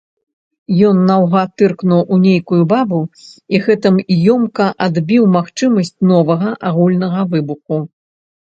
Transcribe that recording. Ён наўгад тыркнуў у нейкую бабу і гэтым ёмка адбіў магчымасць новага агульнага выбуху.